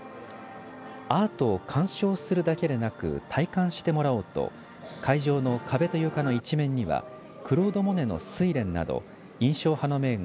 アートを鑑賞するだけでなく体感してもらおうと会場の壁と床の一面にはクロード・モネの睡蓮など印象派の名画